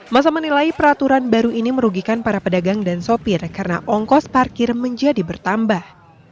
masa menilai peraturan baru ini merugikan para pedagang dan sopir karena ongkos parkir menjadi bertambah